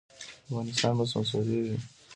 افغانستان به سمسوریږي